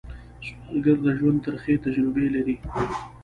سوالګر د ژوند ترخې تجربې لري